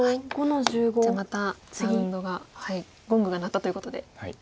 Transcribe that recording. じゃあまたラウンドがゴングが鳴ったということで。